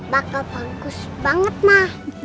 bakal bagus banget mah